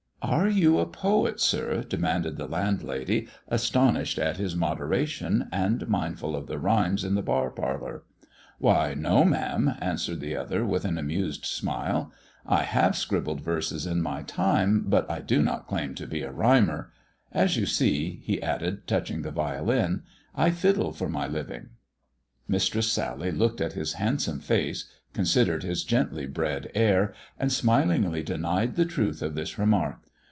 " Are you a poet, sir ]" demanded the landlady, astonished at this moderation, and mindful of the rhymes in the bar parlour. " Why, no, ma'am," answered the other, with an amused smile. " I have scribbled verses in my time, but I do not 10 THE dwarf's chamber claim to be a rhymer. As you see," he added, touching tb violin, " I fiddle for my living." Mistress Sally looked at his handsome face, considerec his gently bred air, and smilingly denied the truth of thij remark.